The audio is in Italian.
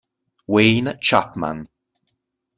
Wayne Chapman